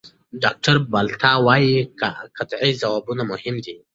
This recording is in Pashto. ډاکټر بالاتا وايي قطعي ځوابونه مهم دي.